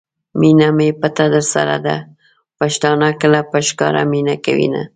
مینه می پټه درسره ده ؛ پښتانه کله په ښکاره مینه کوینه